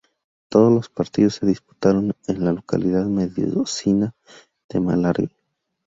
Todos los partidos se disputaron en la localidad mendocina de Malargüe.